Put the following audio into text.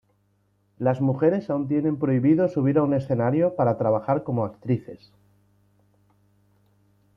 Las mujeres aún tienen prohibido subir a un escenario para trabajar como actrices.